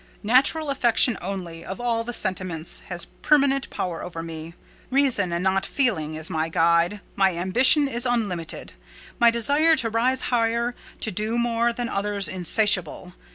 Natural affection only, of all the sentiments, has permanent power over me. Reason, and not feeling, is my guide; my ambition is unlimited: my desire to rise higher, to do more than others, insatiable.